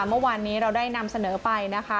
เมื่อวานนี้เราได้นำเสนอไปนะคะ